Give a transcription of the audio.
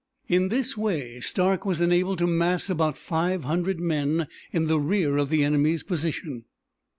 In this way Stark was enabled to mass about five hundred men in the rear of the enemy's position.